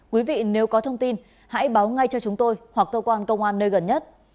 quý vị nếu có thông tin hãy báo ngay cho chúng tôi hoặc cơ quan công an nơi gần nhất